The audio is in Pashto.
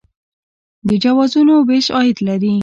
د جوازونو ویش عاید لري